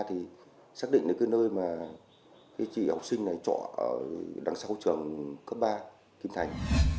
thì xác định đến cái nơi mà chị học sinh này trọ ở đằng sau trường cấp ba kim thành